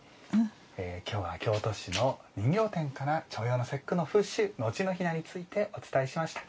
今日は京都市の人形店から重陽の節句の風習後の雛についてお伝えしました。